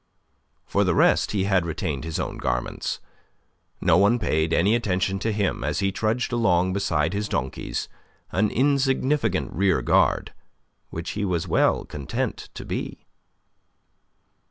For the rest, he had retained his own garments. No one paid any attention to him as he trudged along beside his donkeys, an insignificant rear guard, which he was well content to be.